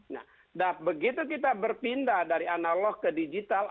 nah begitu kita berpindah dari analog ke digital